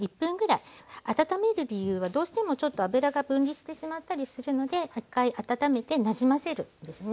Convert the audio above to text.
温める理由はどうしてもちょっと油が分離してしまったりするので一回温めてなじませるですね。